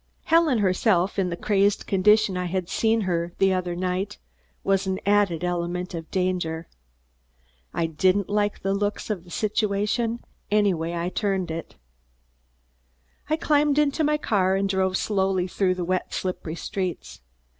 Helen, herself, in the crazed condition I had seen her the other night, was an added element of danger. I didn't like the looks of the situation any way I turned. I climbed into my car and drove slowly through the wet slippery streets.